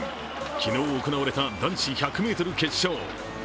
昨日、行われた男子１００ｍ決勝。